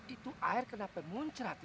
itu air kenapa muncrat